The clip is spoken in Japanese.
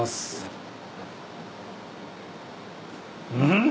うん！